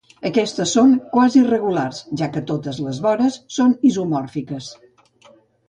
Aquests són "quasi-regulars", ja que totes les vores són isomòrfiques.